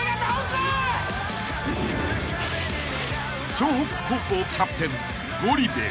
［笑北高校キャプテン］